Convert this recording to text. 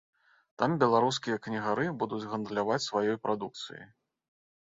Там беларускія кнігары будуць гандляваць сваёй прадукцыяй.